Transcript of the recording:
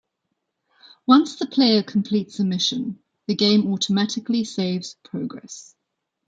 Once the player completes a mission the game automatically saves progress.